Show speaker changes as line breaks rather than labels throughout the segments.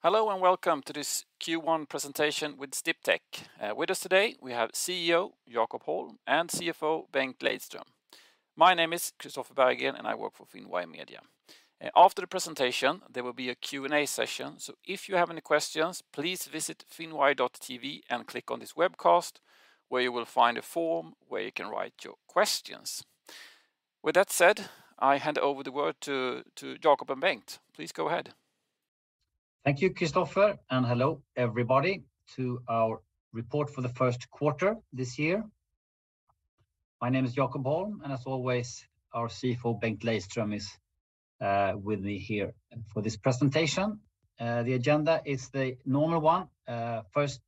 Hello, and welcome to this Q1 presentation with Sdiptech. With us today we have CEO Jakob Holm and CFO Bengt Lejdström. My name is Kristofer Berggren, and I work for Finwire Media. After the presentation, there will be a Q&A session, so if you have any questions, please visit finwire.tv and click on this webcast, where you will find a form where you can write your questions. With that said, I hand over the word to Jakob and Bengt. Please go ahead.
Thank you, Kristofer, and hello, everybody to our report for the first quarter this year. My name is Jakob Holm, and as always, our CFO, Bengt Lejdström, is with me here for this presentation. The agenda is the normal one. First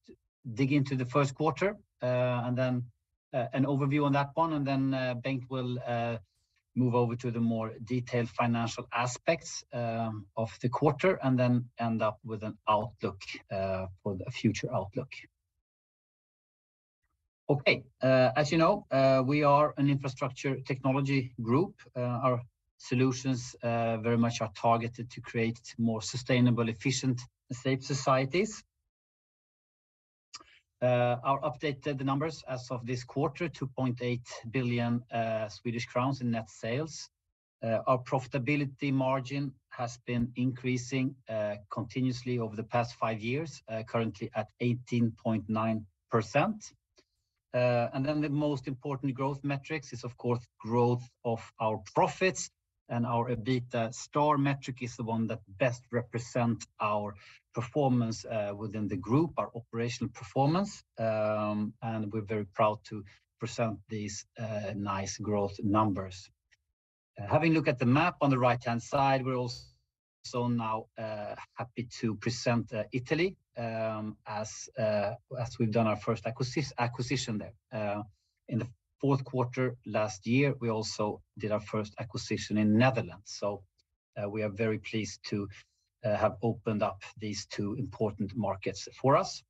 dig into the first quarter, and then an overview on that one, and then Bengt will move over to the more detailed financial aspects of the quarter and then end up with an outlook for the future outlook. Okay. As you know, we are an infrastructure technology group. Our solutions very much are targeted to create more sustainable, efficient, and safe societies. Our updated numbers as of this quarter, 2.8 billion Swedish crowns in net sales. Our profitability margin has been increasing continuously over the past five years, currently at 18.9%. The most important growth metrics is of course growth of our profits and our EBITA* metric is the one that best represent our performance within the group, our operational performance. We're very proud to present these nice growth numbers. Having a look at the map on the right-hand side, we're also now happy to present Italy, as we've done our first acquisition there. In the fourth quarter last year, we also did our first acquisition in Netherlands. We are very pleased to have opened up these two important markets for us.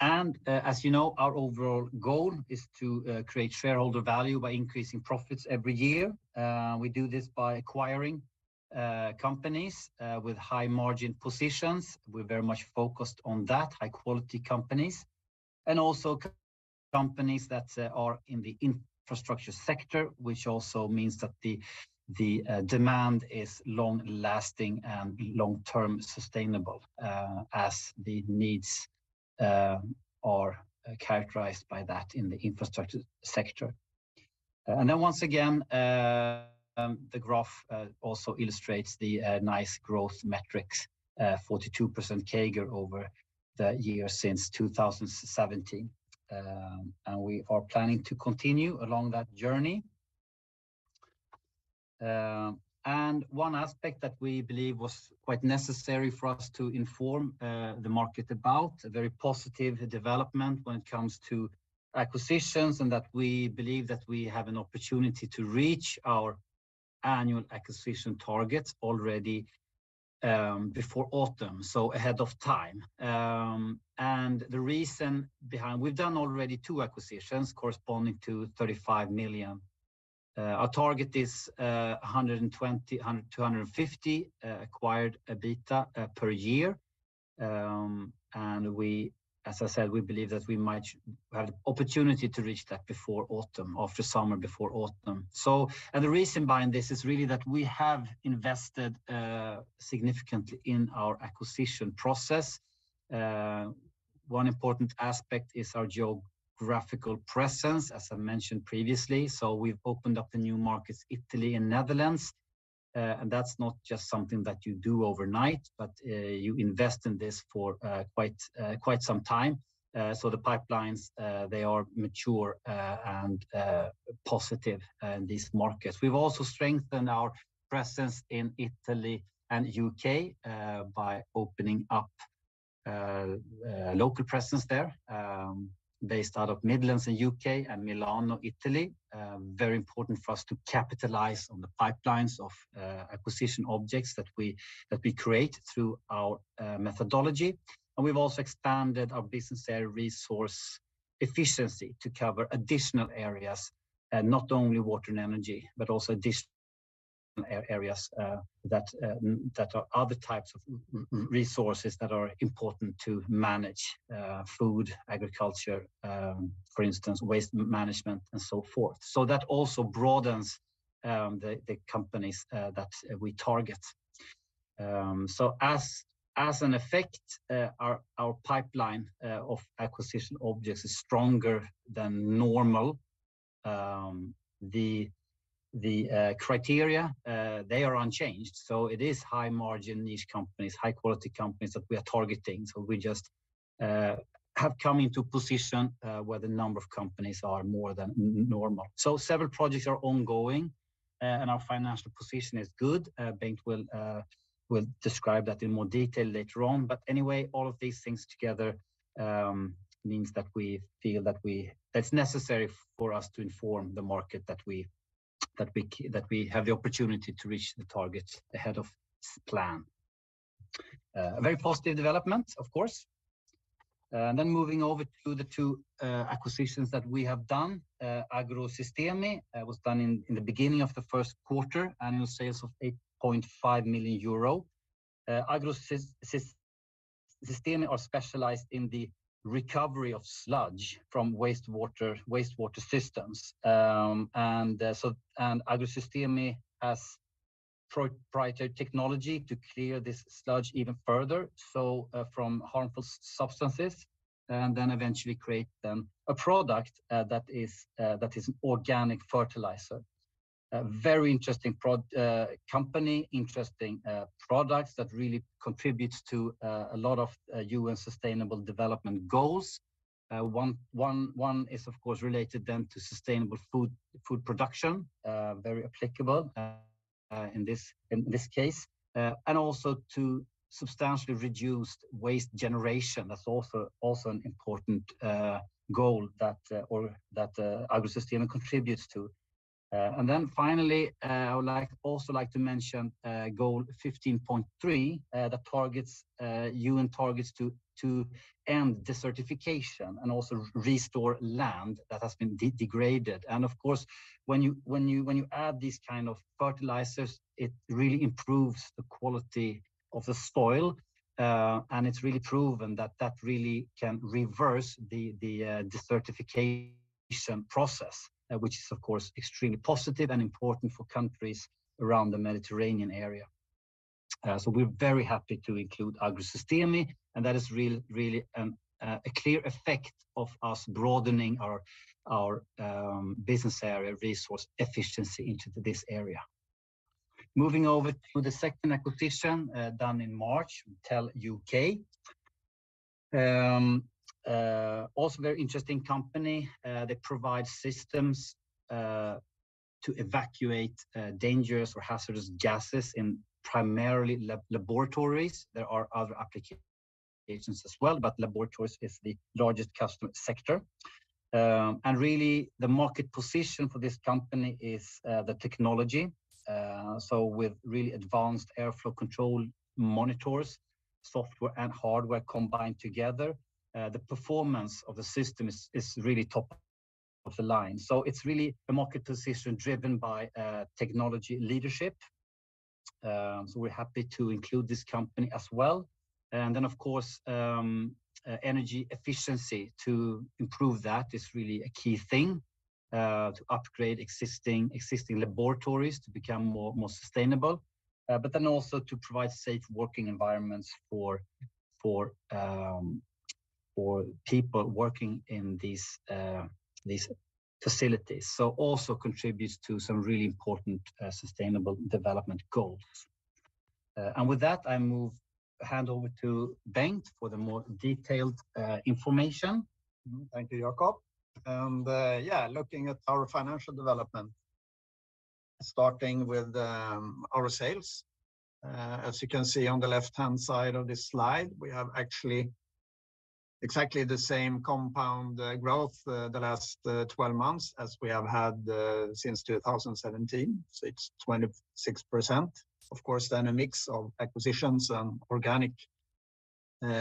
As you know, our overall goal is to create shareholder value by increasing profits every year. We do this by acquiring companies with high margin positions. We're very much focused on that, high-quality companies, and also companies that are in the infrastructure sector, which also means that the demand is long-lasting and long-term sustainable, as the needs are characterized by that in the infrastructure sector. The graph also illustrates the nice growth metrics, 42% CAGR over the years since 2017. We are planning to continue along that journey. One aspect that we believe was quite necessary for us to inform the market about a very positive development when it comes to acquisitions, and that we believe that we have an opportunity to reach our annual acquisition targets already, before autumn, so ahead of time. We've done already two acquisitions corresponding to 35 million. Our target is 100-150 acquired EBITA per year. As I said, we believe that we might have opportunity to reach that before autumn, after summer, before autumn. The reason behind this is really that we have invested significantly in our acquisition process. One important aspect is our geographical presence, as I mentioned previously. We've opened up the new markets, Italy and Netherlands. That's not just something that you do overnight, but you invest in this for quite some time. The pipelines they are mature and positive in these markets. We've also strengthened our presence in Italy and U.K. by opening up local presence there, based out of Midlands in U.K. and Milano, Italy. Very important for us to capitalize on the pipelines of acquisition targets that we create through our methodology. We've also expanded our business area Resource Efficiency to cover additional areas, not only water and energy, but also additional areas that are other types of resources that are important to manage, food, agriculture, for instance, waste management, and so forth. That also broadens the companies that we target. As an effect, our pipeline of acquisition targets is stronger than normal. The criteria, they are unchanged, so it is high margin niche companies, high-quality companies that we are targeting. We just have come into position where the number of companies are more than normal. Several projects are ongoing, and our financial position is good. Bengt will describe that in more detail later on. But anyway, all of these things together means that we feel that it's necessary for us to inform the market that we have the opportunity to reach the targets ahead of plan. A very positive development, of course. Moving over to the two acquisitions that we have done. Agrosistemi was done in the beginning of the first quarter, annual sales of 8.5 million euro. Agrosistemi are specialized in the recovery of sludge from wastewater systems. Agrosistemi has proprietary technology to clear this sludge even further, from harmful substances and then eventually create them a product, that is organic fertilizer. A very interesting company, interesting products that really contributes to a lot of UN Sustainable Development Goals. One is of course related then to sustainable food production, very applicable in this case. Also to substantially reduced waste generation. That's also an important goal that Agrosistemi contributes to. I would like to mention goal 15.3 that targets UN targets to end desertification and also restore land that has been degraded. Of course, when you add these kind of fertilizers, it really improves the quality of the soil. It's really proven that that really can reverse the desertification process, which is of course extremely positive and important for countries around the Mediterranean area. We're very happy to include Agrosistemi, and that is really a clear effect of us broadening our business area Resource Efficiency into this area. Moving over to the second acquisition done in March, TEL UK. Also very interesting company. They provide systems to evacuate dangerous or hazardous gases in primarily laboratories. There are other applications as well, but laboratories is the largest customer sector. Really the market position for this company is the technology. With really advanced airflow control monitors, software and hardware combined together, the performance of the system is really top of the line. It's really a market position driven by technology leadership. We're happy to include this company as well. Energy efficiency to improve that is really a key thing to upgrade existing laboratories to become more sustainable, but then also to provide safe working environments for people working in these facilities. Also contributes to some really important sustainable development goals. With that, I hand over to Bengt for the more detailed information.
Thank you, Jakob. Looking at our financial development, starting with our sales. As you can see on the left-hand side of this slide, we have actually exactly the same compound growth the last 12 months as we have had since 2017. So it's 26%. Of course, then a mix of acquisitions and organic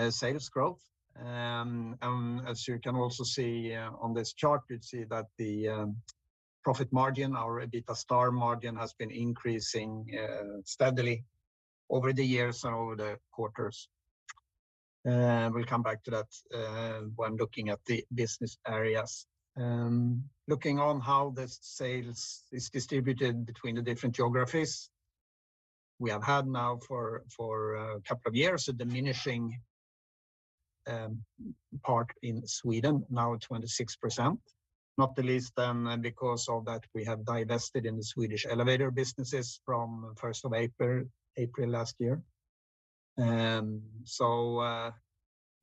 sales growth. As you can also see on this chart, you'd see that the profit margin, our EBITA* margin has been increasing steadily over the years and over the quarters. We'll come back to that when looking at the business areas. Looking on how the sales is distributed between the different geographies, we have had now for a couple of years a diminishing part in Sweden, now 26%, not the least because of that we have divested in the Swedish elevator businesses from first of April last year.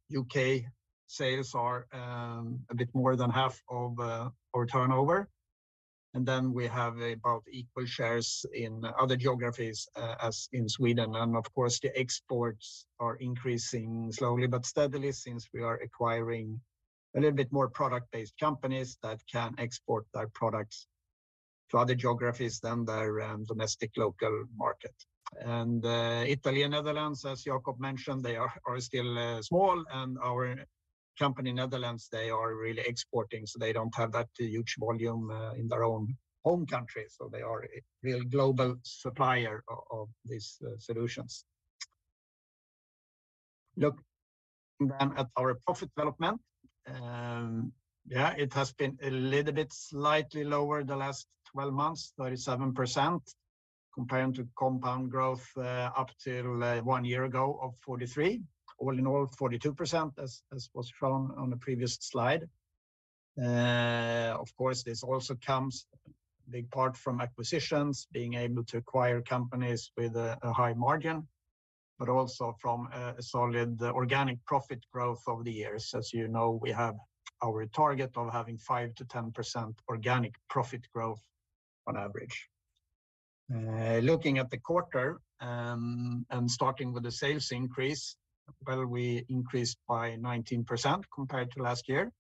U.K. sales are a bit more than half of our turnover. Then we have about equal shares in other geographies as in Sweden. Of course, the exports are increasing slowly but steadily since we are acquiring a little bit more product-based companies that can export their products to other geographies than their domestic local market. Italy and Netherlands, as Jakob mentioned, they are still small, and our company Netherlands, they are really exporting, so they don't have that huge volume in their own home country. They are a real global supplier of these solutions. Look then at our profit development. It has been a little bit slightly lower the last 12 months, 37%, comparing to compound growth up till one year ago of 43. All in all, 42% as was shown on the previous slide. Of course, this also comes big part from acquisitions, being able to acquire companies with a high margin, but also from a solid organic profit growth over the years. As you know, we have our target of having 5% to 10% organic profit growth on average. Looking at the quarter, starting with the sales increase, well, we increased by 19% compared to last year.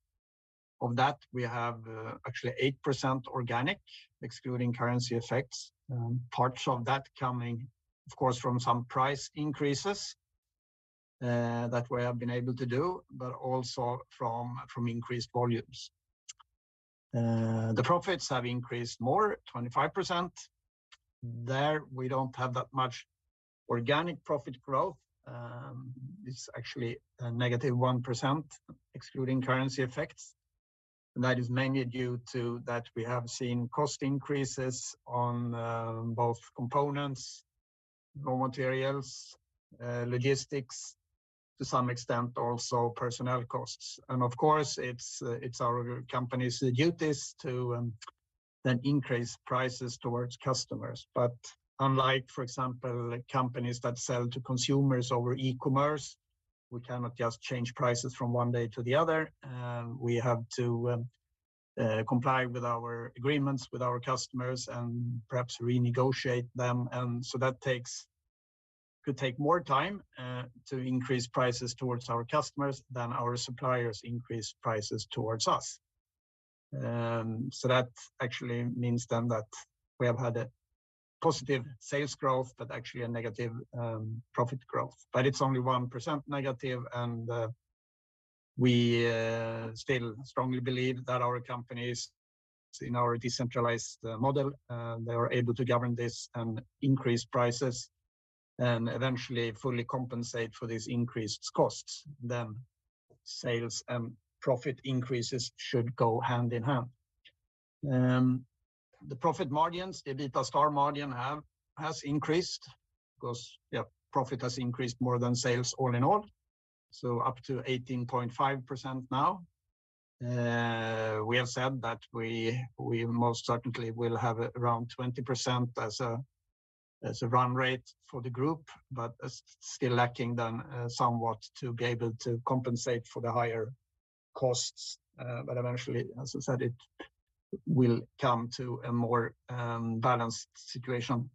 Of that, we have, actually 8% organic, excluding currency effects. Parts of that coming, of course, from some price increases that we have been able to do, but also from increased volumes. The profits have increased more, 25%. There we don't have that much organic profit growth. It's actually a negative 1% excluding currency effects. That is mainly due to that we have seen cost increases on both components, raw materials, logistics, to some extent also personnel costs. Of course, it's our company's duties to then increase prices towards customers. Unlike, for example, companies that sell to consumers over e-commerce, we cannot just change prices from one day to the other. We have to comply with our agreements with our customers and perhaps renegotiate them. That could take more time to increase prices towards our customers than our suppliers increase prices towards us. That actually means that we have had a positive sales growth, but actually a negative profit growth. It's only 1% negative, and we still strongly believe that our companies in our decentralized model, they are able to govern this and increase prices and eventually fully compensate for these increased costs, then sales and profit increases should go hand in hand. The profit margins, the EBITA* margin has increased because profit has increased more than sales all in all, so up to 18.5% now. We have said that we most certainly will have around 20% as a run rate for the group, but still lacking then somewhat to be able to compensate for the higher costs. Eventually, as I said, it will come to a more balanced situation.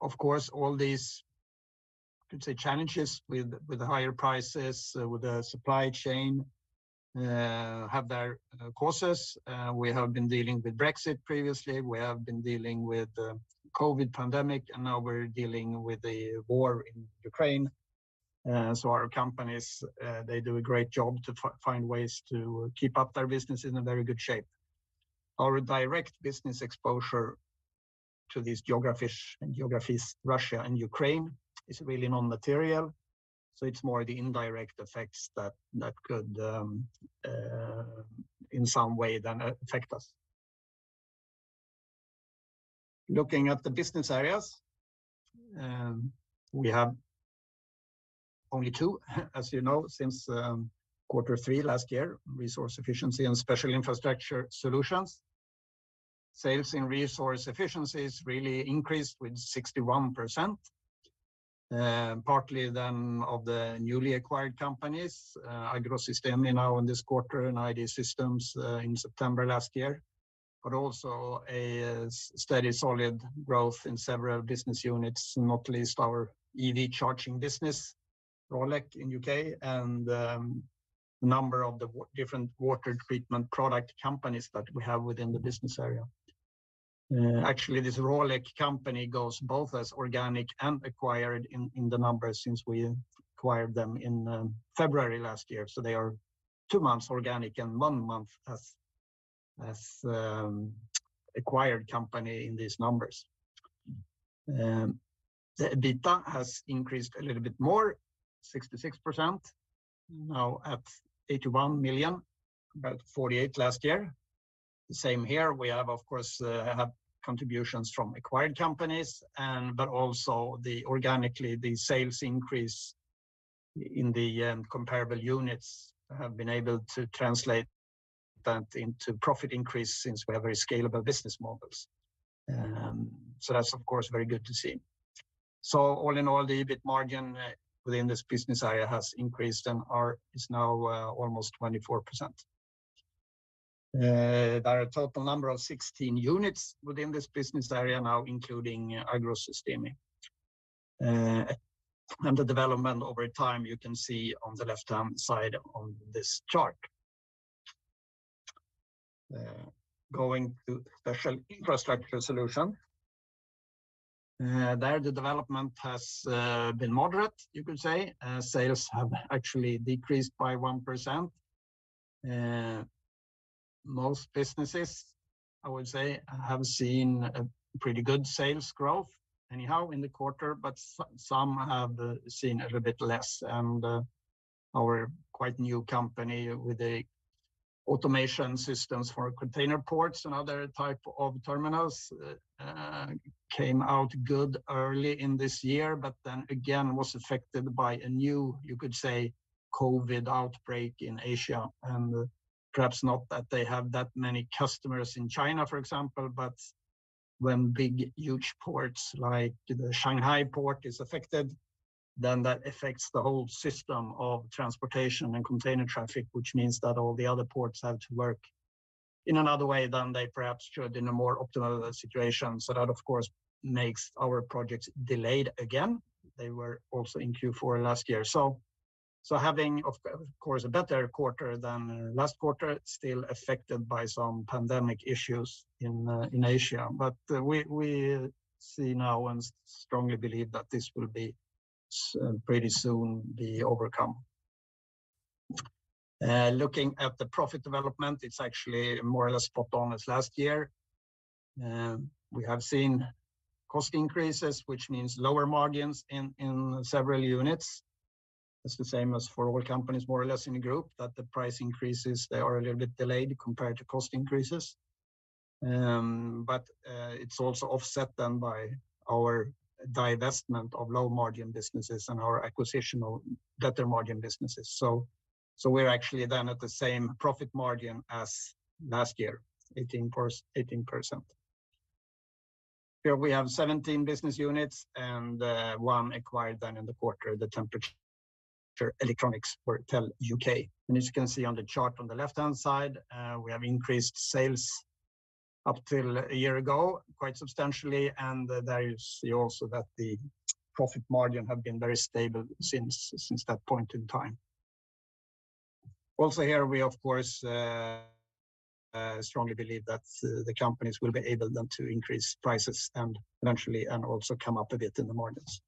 Of course, all these, I could say, challenges with the higher prices, with the supply chain, have their causes. We have been dealing with Brexit previously. We have been dealing with the COVID pandemic, and now we're dealing with the war in Ukraine. Our companies, they do a great job to find ways to keep up their business in a very good shape. Our direct business exposure to these geographies, Russia and Ukraine, is really non-material, so it's more the indirect effects that could, in some way then affect us. Looking at the business areas, we have only two, as you know, since quarter three last year, Resource Efficiency and Special Infrastructure Solutions. Sales in Resource Efficiency really increased with 61%, partly then of the newly acquired companies, Agrosistemi now in this quarter and IDE Systems in September last year, but also a steady, solid growth in several business units, not least our EV charging business, Rolec in UK, and number of the different water treatment product companies that we have within the business area. Actually, this Rolec company goes both as organic and acquired in the numbers since we acquired them in February last year, so they are two months organic and one month as acquired company in these numbers. The EBITDA has increased a little bit more, 66%, now at 81 million, about 48 million last year. Same here, we have, of course, contributions from acquired companies and, but also the organically, the sales increase in the comparable units have been able to translate that into profit increase since we have very scalable business models. That's of course very good to see. All in all, the EBIT margin within this business area has increased and is now almost 24%. There are a total number of 16 units within this business area now, including Agrosistemi. The development over time, you can see on the left-hand side on this chart. Going to Special Infrastructure Solutions. There the development has been moderate, you could say. Sales have actually decreased by 1%. Most businesses, I would say, have seen a pretty good sales growth anyhow in the quarter, but some have seen a little bit less. Our quite new company with the automation systems for container ports and other type of terminals came out good early in this year, but then again was affected by a new, you could say, COVID outbreak in Asia. Perhaps not that they have that many customers in China, for example, but when big, huge ports like the Shanghai port is affected, then that affects the whole system of transportation and container traffic, which means that all the other ports have to work in another way than they perhaps should in a more optimal situation. That of course makes our projects delayed again. They were also in Q4 last year. Having of course a better quarter than last quarter, still affected by some pandemic issues in Asia. We see now and strongly believe that this will pretty soon be overcome. Looking at the profit development, it's actually more or less spot on as last year. We have seen cost increases, which means lower margins in several units. It's the same as for all companies more or less in the group, that the price increases, they are a little bit delayed compared to cost increases. It's also offset then by our divestment of low margin businesses and our acquisition of better margin businesses. We're actually then at the same profit margin as last year, 18%. Here we have 17 business units and one acquired then in the quarter, the temperature electronics for TEL UK. As you can see on the chart on the left-hand side, we have increased sales up till a year ago quite substantially, and there you see also that the profit margin have been very stable since that point in time. Here we of course strongly believe that the companies will be able then to increase prices and eventually and also come up a bit in the margins.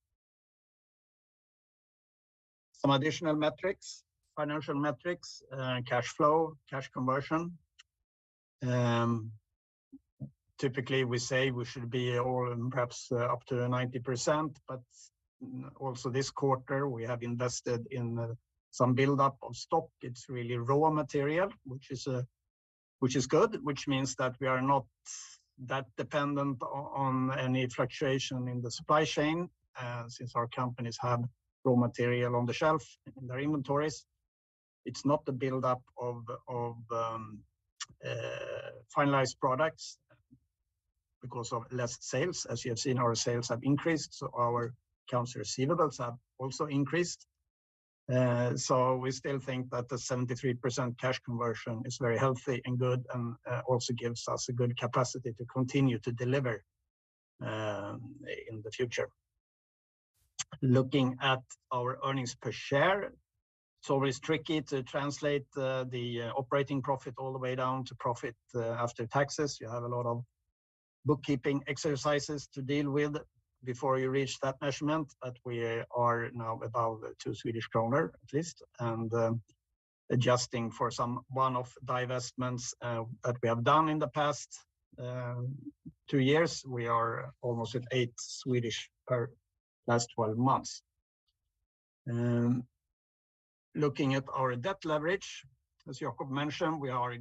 Some additional metrics, financial metrics, cash flow, cash conversion. Typically we say we should be all perhaps up to 90%, but also this quarter we have invested in some buildup of stock. It's really raw material, which is good, which means that we are not that dependent on any fluctuation in the supply chain, since our companies have raw material on the shelf in their inventories. It's not the buildup of finalized products because of less sales. As you have seen, our sales have increased, so our accounts receivables have also increased. We still think that the 73% cash conversion is very healthy and good and also gives us a good capacity to continue to deliver in the future. Looking at our earnings per share, it's always tricky to translate the operating profit all the way down to profit after taxes. You have a lot of bookkeeping exercises to deal with before you reach that measurement, but we are now above two SEK at least. Adjusting for some one-off divestments that we have done in the past two years, we are almost at eight SEK per last twelve months. Looking at our debt leverage, as Jakob mentioned, we are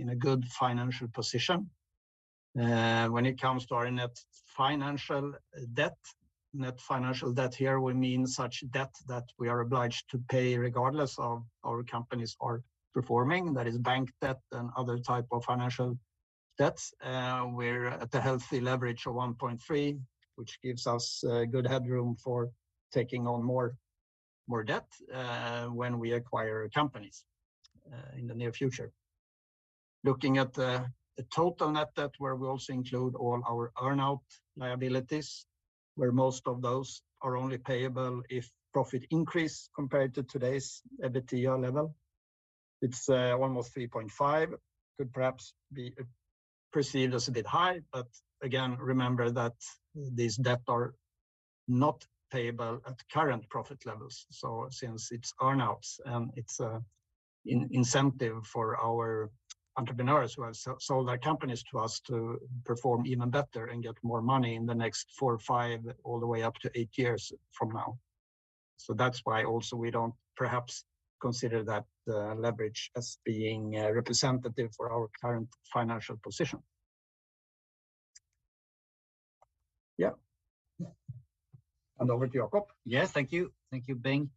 in a good financial position. When it comes to our net financial debt, net financial debt here will mean such debt that we are obliged to pay regardless of our companies are performing. That is bank debt and other type of financial debts. We're at a healthy leverage of 1.3, which gives us good headroom for taking on more debt when we acquire companies in the near future. Looking at the total net debt where we also include all our earn-out liabilities, where most of those are only payable if profit increase compared to today's EBITDA level, it's almost 3.5, could perhaps be perceived as a bit high. Again, remember that these debt are not payable at current profit levels. Since it's earn-outs and it's an incentive for our entrepreneurs who have sold their companies to us to perform even better and get more money in the next four or five all the way up to eight years from now. That's why also we don't perhaps consider that, leverage as being, representative for our current financial position. Yeah. Over to Jakob.
Yes. Thank you. Thank you, Bengt.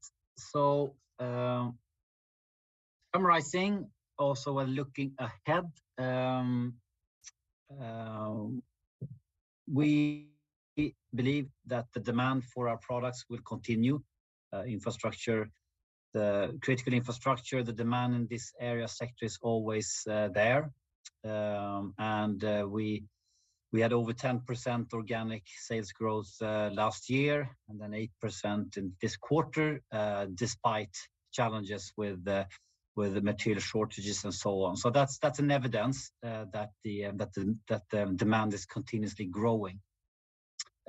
Summarizing, also while looking ahead, we believe that the demand for our products will continue, infrastructure, the critical infrastructure, the demand in this area sector is always there. We had over 10% organic sales growth last year and then 8% in this quarter, despite challenges with the material shortages and so on. That's an evidence that the demand is continuously growing.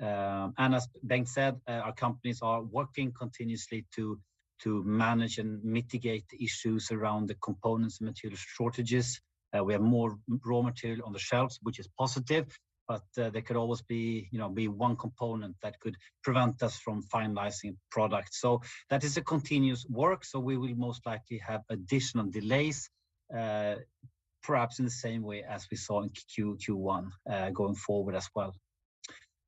As Bengt said, our companies are working continuously to manage and mitigate issues around the components material shortages. We have more raw material on the shelves, which is positive, but there could always be, you know, one component that could prevent us from finalizing product. That is a continuous work. We will most likely have additional delays, perhaps in the same way as we saw in Q1, going forward as well.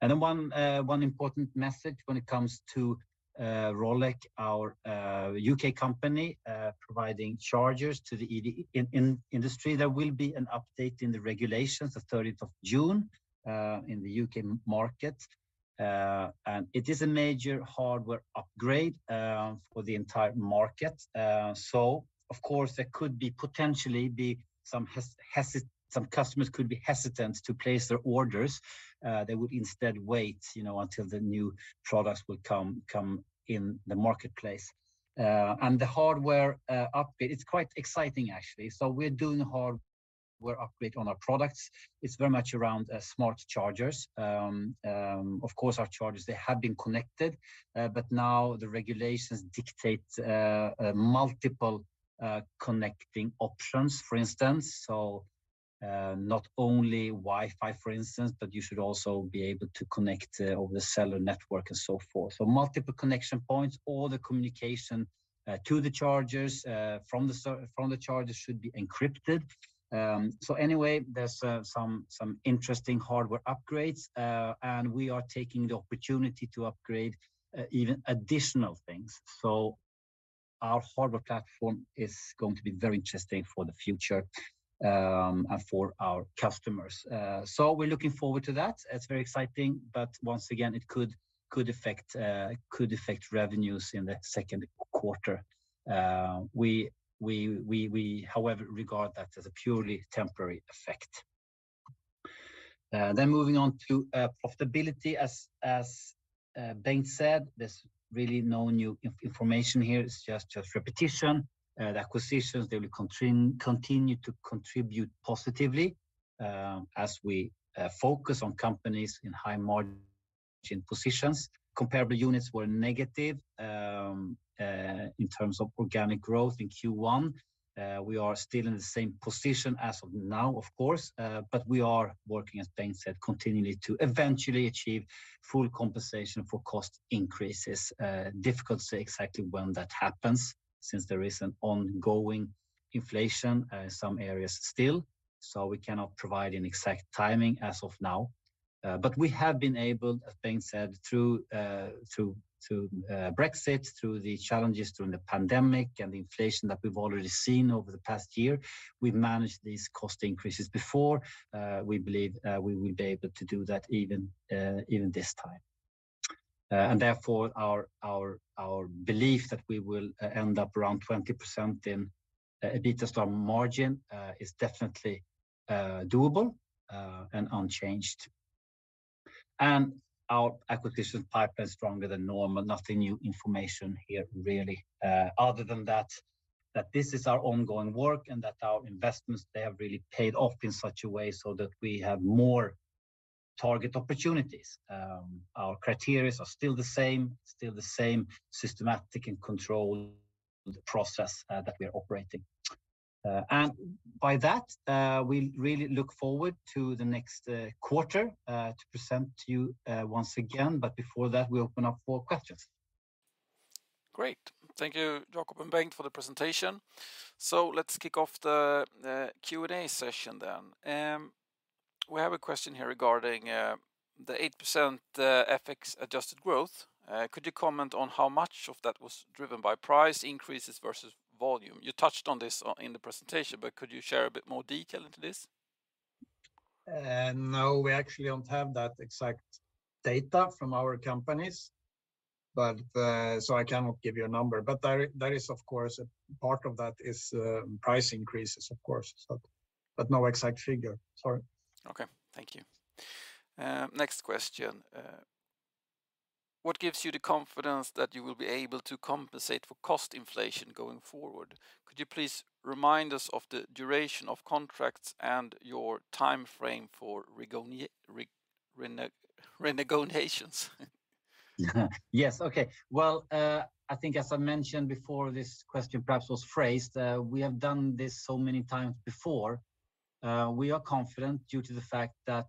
One important message when it comes to Rolec, our U.K. company providing chargers to the EV industry, there will be an update in the regulations the thirteenth of June in the U.K. market. It is a major hardware upgrade for the entire market. Of course there could be potentially some hesitation. Some customers could be hesitant to place their orders. They would instead wait, you know, until the new products will come in the marketplace. The hardware upgrade, it's quite exciting actually. We're doing hardware upgrade on our products. It's very much around smart chargers. Of course, our chargers, they have been connected, but now the regulations dictate multiple connecting options, for instance. Not only Wi-Fi, for instance, but you should also be able to connect over the cellular network and so forth. Multiple connection points, all the communication to the chargers from the chargers should be encrypted. Anyway, there's some interesting hardware upgrades. We are taking the opportunity to upgrade even additional things. Our hardware platform is going to be very interesting for the future, and for our customers. We're looking forward to that. It's very exciting, but once again, it could affect revenues in the second quarter. We, however, regard that as a purely temporary effect. Moving on to profitability. As Bengt said, there's really no new information here. It's just repetition. The acquisitions, they will continue to contribute positively, as we focus on companies in high margin positions. Comparable units were negative in terms of organic growth in Q1. We are still in the same position as of now, of course, but we are working, as Bengt said, continually to eventually achieve full compensation for cost increases. Difficult to say exactly when that happens since there is an ongoing inflation in some areas still. We cannot provide an exact timing as of now. We have been able, as Bengt said, through Brexit, through the challenges during the pandemic and the inflation that we've already seen over the past year, we've managed these cost increases before. We believe we will be able to do that even this time. Therefore, our belief that we will end up around 20% in EBITDA margin is definitely doable and unchanged. Our acquisition pipeline is stronger than normal. No new information here really, other than that this is our ongoing work and that our investments, they have really paid off in such a way so that we have more target opportunities. Our criteria are still the same, still the same systematic and controlled process that we are operating. By that, we really look forward to the next quarter to present to you once again. Before that, we'll open up for questions.
Great. Thank you, Jakob and Bengt, for the presentation. Let's kick off the Q&A session then. We have a question here regarding the 8% FX-adjusted growth. Could you comment on how much of that was driven by price increases versus volume? You touched on this in the presentation, but could you share a bit more detail into this?
No. We actually don't have that exact data from our companies, but I cannot give you a number. That is, of course, part of that is price increases, of course. No exact figure, sorry.
Okay, thank you. Next question. What gives you the confidence that you will be able to compensate for cost inflation going forward? Could you please remind us of the duration of contracts and your timeframe for renegotiations?
Yes, okay. Well, I think as I mentioned before this question perhaps was phrased, we have done this so many times before. We are confident due to the fact that,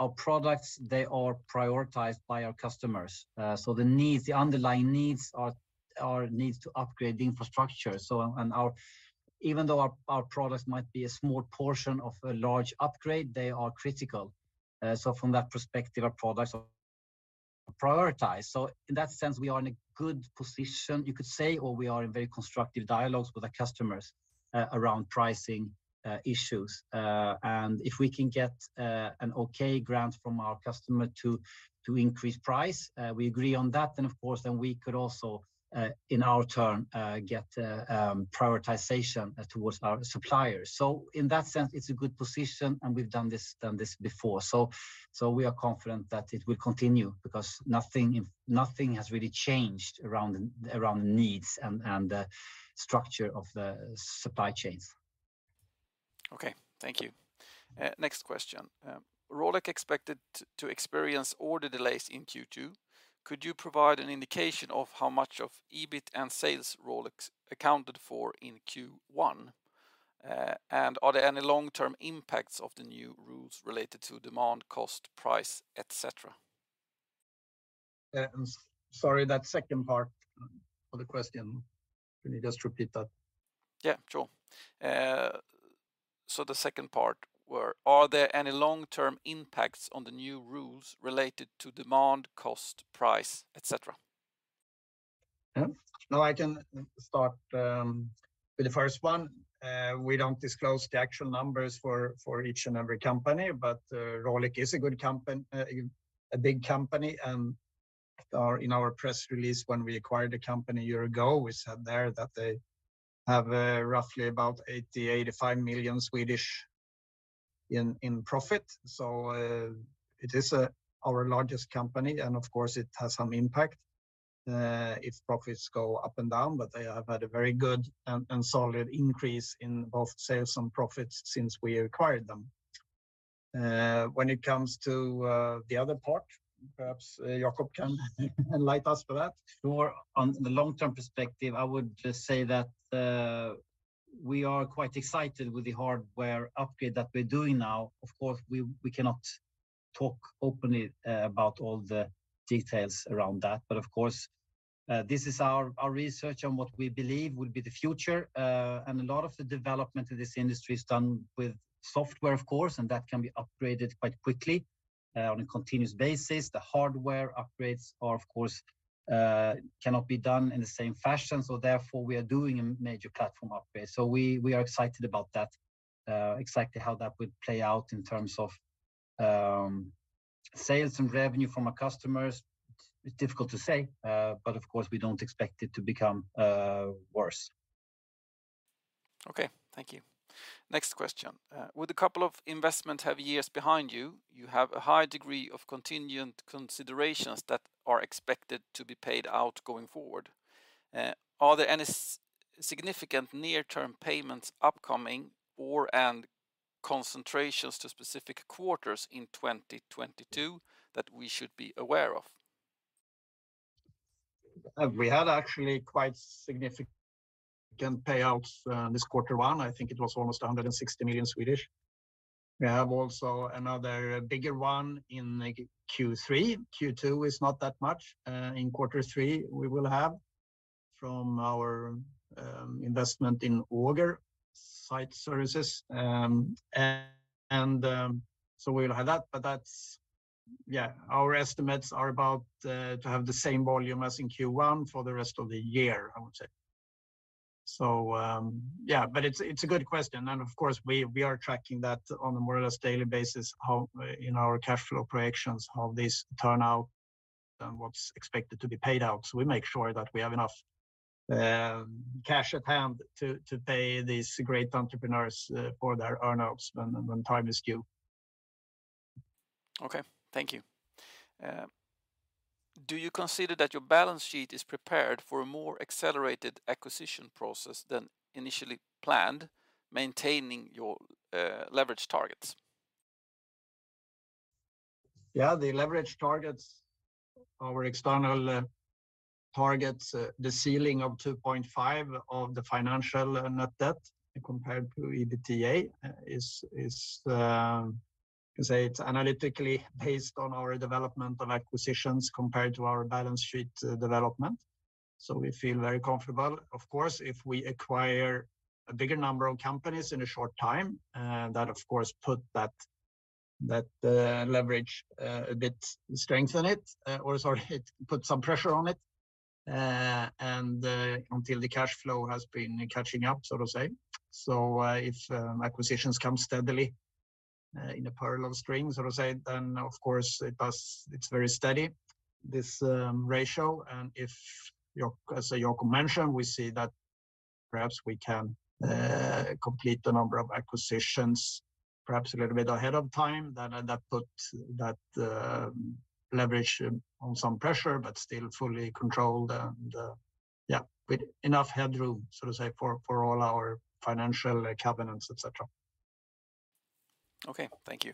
our products, they are prioritized by our customers. The needs, the underlying needs are needs to upgrade the infrastructure. Even though our products might be a small portion of a large upgrade, they are critical. From that perspective, our products are prioritized. In that sense, we are in a good position, you could say, or we are in very constructive dialogues with our customers around pricing issues. If we can get an okay grant from our customer to increase price, we agree on that, then of course, then we could also in our turn get prioritization towards our suppliers. In that sense, it's a good position, and we've done this before. We are confident that it will continue because nothing has really changed around the needs and the structure of the supply chains.
Okay, thank you. Next question. Rolec expected to experience order delays in Q2. Could you provide an indication of how much of EBIT and sales Rolec accounted for in Q1? Are there any long-term impacts of the new rules related to demand, cost, price, etc.?
Yeah. Sorry, that second part of the question. Can you just repeat that?
Yeah, sure. Are there any long-term impacts on the new rules related to demand, cost, price, etc.?
Yeah. No, I can start with the first one. We don't disclose the actual numbers for each and every company, but Rolec is a good company, a big company. In our press release, when we acquired the company a year ago, we said there that they have roughly about 80-85 million in profit. It is our largest company and of course it has some impact if profits go up and down. They have had a very good and solid increase in both sales and profits since we acquired them. When it comes to the other part, perhaps Jakob can enlighten us for that.
Sure. On the long-term perspective, I would just say that we are quite excited with the hardware upgrade that we're doing now. Of course, we cannot talk openly about all the details around that. Of course, this is our research on what we believe will be the future. A lot of the development of this industry is done with software of course, and that can be upgraded quite quickly on a continuous basis. The hardware upgrades are of course cannot be done in the same fashion, so therefore we are doing a major platform upgrade. We are excited about that. Exactly how that would play out in terms of sales and revenue from our customers, it's difficult to say. Of course we don't expect it to become worse.
Okay, thank you. Next question. With a couple of investment-heavy years behind you have a high degree of contingent considerations that are expected to be paid out going forward. Are there any significant near-term payments upcoming or concentrations to specific quarters in 2022 that we should be aware of?
We had actually quite significant payouts this Q1. I think it was almost 160 million. We have also another bigger one in, like, Q3. Q2 is not that much. In Q3 we will have from our investment in Auger Site Investigations. We'll have that, but that's our estimates are about to have the same volume as in Q1 for the rest of the year, I would say. It's a good question, and of course we are tracking that on a more or less daily basis, how in our cash flow projections, how this turn out and what's expected to be paid out. We make sure that we have enough cash at hand to pay these great entrepreneurs for their earn-outs when time is due.
Okay, thank you. Do you consider that your balance sheet is prepared for a more accelerated acquisition process than initially planned, maintaining your leverage targets?
Yeah. The leverage targets, our external targets, the ceiling of 2.5 of the financial net debt compared to EBITDA is, you can say it's analytically based on our development of acquisitions compared to our balance sheet development. We feel very comfortable. Of course, if we acquire a bigger number of companies in a short time, that of course put some pressure on it. Until the cash flow has been catching up, so to say. If acquisitions come steadily in a parallel string, so to say, then of course it does. It's very steady, this ratio. If Jakob mentioned, we see that perhaps we can complete a number of acquisitions perhaps a little bit ahead of time, then that puts the leverage under some pressure, but still fully controlled and yeah, with enough headroom, so to say, for all our financial covenants, et cetera.
Okay, thank you.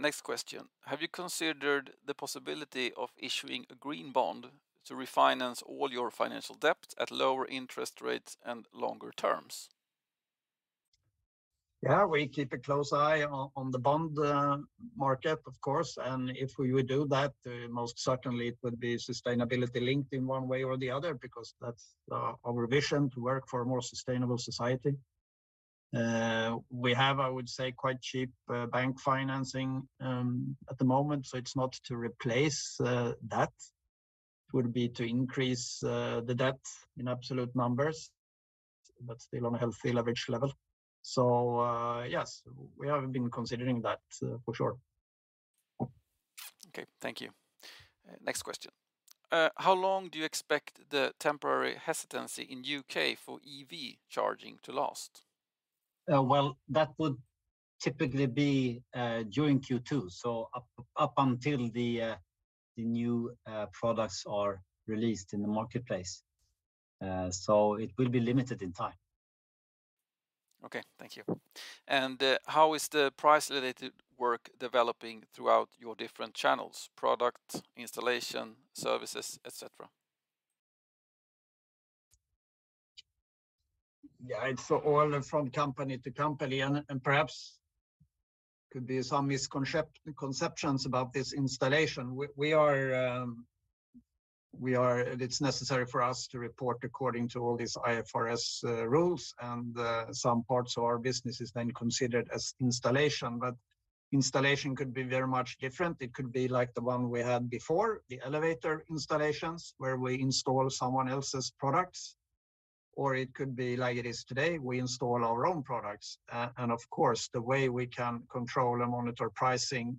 Next question. Have you considered the possibility of issuing a green bond to refinance all your financial debt at lower interest rates and longer terms?
Yeah. We keep a close eye on the bond market of course. If we would do that, most certainly it would be sustainability-linked in one way or the other, because that's our vision to work for a more sustainable society. We have, I would say, quite cheap bank financing at the moment. It's not to replace that, it would be to increase the debt in absolute numbers, but still on a healthy leverage level. Yes, we have been considering that for sure.
Okay, thank you. Next question. How long do you expect the temporary hesitancy in U.K. for EV charging to last?
Well, that would typically be during Q2, so up until the new products are released in the marketplace. It will be limited in time.
Okay, thank you. How is the price-related work developing throughout your different channels, product, installation, services, et cetera?
Yeah. It's all from company to company and perhaps could be some misconceptions about this installation. It's necessary for us to report according to all these IFRS rules, and some parts of our business is then considered as installation. Installation could be very much different. It could be like the one we had before, the elevator installations, where we install someone else's products, or it could be like it is today, we install our own products. And of course, the way we can control and monitor pricing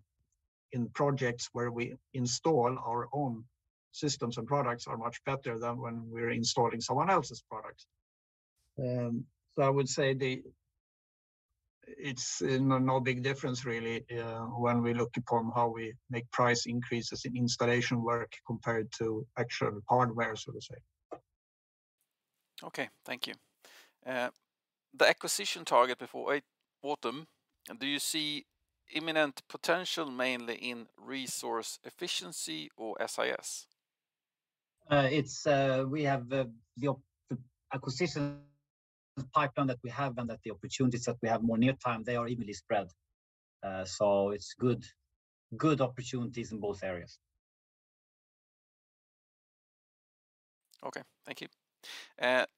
in projects where we install our own systems and products are much better than when we're installing someone else's products. So I would say it's, you know, no big difference really, when we look upon how we make price increases in installation work compared to actual hardware, so to say.
Okay, thank you. The acquisition target before autumn, do you see imminent potential mainly in Resource Efficiency or SIS?
We have the acquisition pipeline that we have and that the opportunities that we have more near-term, they are evenly spread. It's good opportunities in both areas.
Okay, thank you.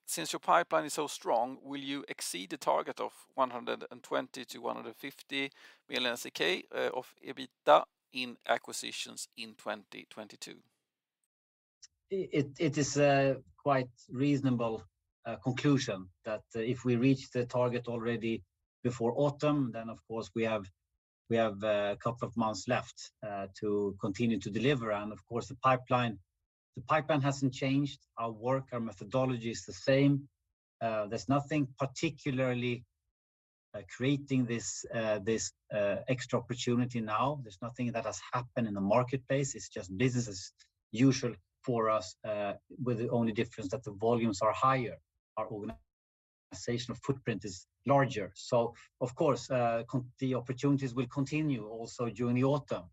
Since your pipeline is so strong, will you exceed the target of 120-150 million SEK of EBITDA in acquisitions in 2022?
It is a quite reasonable conclusion that if we reach the target already before autumn, then of course we have a couple of months left to continue to deliver. Of course, the pipeline hasn't changed. Our work, our methodology is the same. There's nothing particularly creating this extra opportunity now. There's nothing that has happened in the marketplace. It's just business as usual for us with the only difference that the volumes are higher. Our organizational footprint is larger. Of course, the opportunities will continue also during the autumn,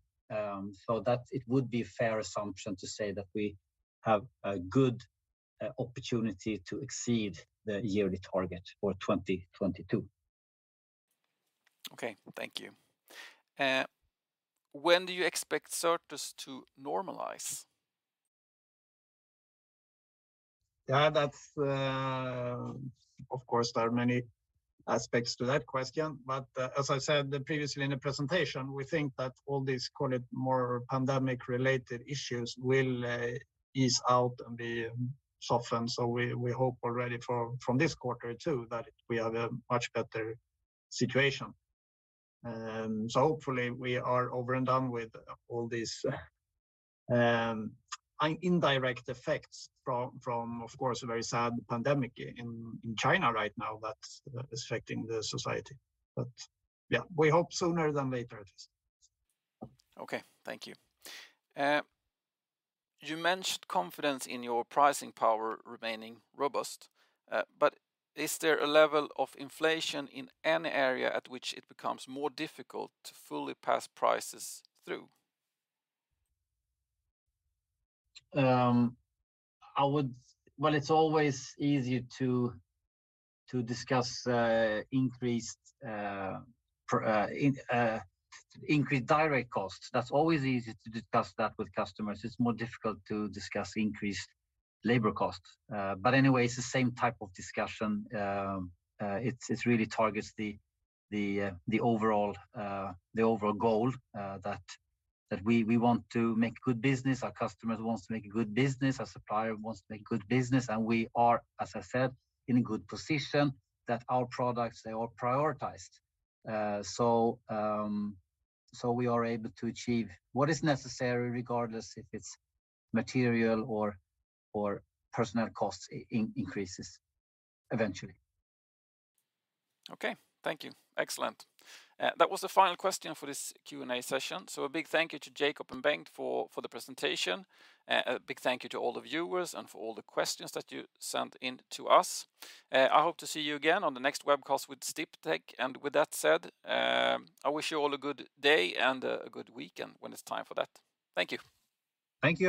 so that it would be a fair assumption to say that we have a good opportunity to exceed the yearly target for 2022.
Okay, thank you. When do you expect Certus to normalize?
Yeah, that's. Of course, there are many aspects to that question. As I said previously in the presentation, we think that all these, call it, more pandemic-related issues will ease out and be softened. We hope already from this quarter too, that we have a much better situation. Hopefully we are over and done with all these, indirect effects from, of course, a very sad pandemic in China right now that's affecting the society. Yeah, we hope sooner than later at least.
Okay, thank you. You mentioned confidence in your pricing power remaining robust. Is there a level of inflation in any area at which it becomes more difficult to fully pass prices through?
It's always easier to discuss increased direct costs. That's always easy to discuss that with customers. It's more difficult to discuss increased labor costs. Anyway, it's the same type of discussion. It really targets the overall goal that we want to make good business, our customers wants to make good business, our supplier wants to make good business. We are, as I said, in a good position that our products, they are prioritized. We are able to achieve what is necessary, regardless if it's material or personnel costs increases eventually.
Okay, thank you. Excellent. That was the final question for this Q&A session. A big thank you to Jakob and Bengt for the presentation. A big thank you to all the viewers and for all the questions that you sent in to us. I hope to see you again on the next webcast with Sdiptech. With that said, I wish you all a good day and a good weekend when it's time for that. Thank you.
Thank you.